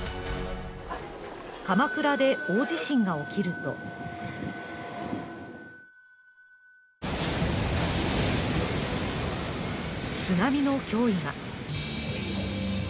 鎌倉で大地震が起きると津波の脅威が。